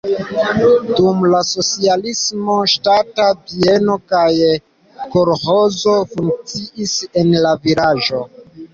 Dum la socialismo ŝtata bieno kaj kolĥozo funkciis en la vilaĝo.